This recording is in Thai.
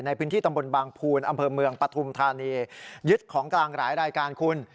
ในพื้นที่ตำบลบางภูนอำเภอเมืองปฐุมธานียึดของกลางหลายรายการคุณ